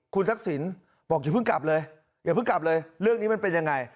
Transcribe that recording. คุณทักษิณบอกอย่าเพิ่งกลับเลยอย่าเพิ่งกลับเลยเรื่องนี้มันเป็นยังไง